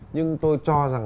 nhưng tôi cho rằng